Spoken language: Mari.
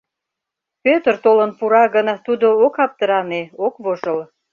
Пӧтыр толын пура гын, тудо ок аптыране, ок вожыл.